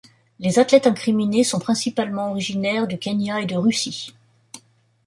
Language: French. Les athlètes incriminés sont principalement originaires du Kenya et de Russie.